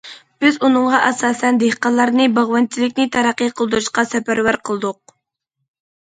بىز بۇنىڭغا ئاساسەن، دېھقانلارنى باغۋەنچىلىكنى تەرەققىي قىلدۇرۇشقا سەپەرۋەر قىلدۇق.